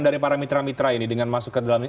dari para mitra mitra ini dengan masuk ke dalam